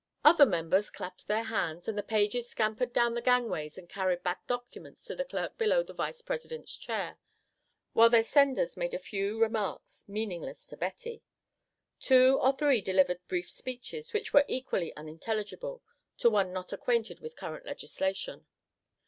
Other members clapped their hands, and the pages scampered down the gangways and carried back documents to the clerk below the Vice President's chair, while their senders made a few remarks meaningless to Betty. Two or three delivered brief speeches which were equally unintelligible to one not acquainted with current legislation.